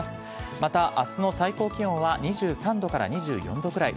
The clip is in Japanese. また、あすの最高気温は２３度から２４度くらい。